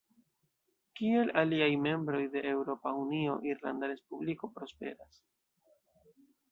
Kiel aliaj membroj de Eŭropa Unio, Irlanda Respubliko prosperas.